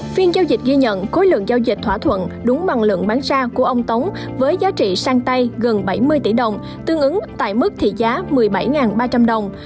phiên giao dịch ghi nhận khối lượng giao dịch thỏa thuận đúng bằng lượng bán ra của ông tống với giá trị sang tay gần bảy mươi tỷ đồng tương ứng tại mức thị giá một mươi bảy ba trăm linh đồng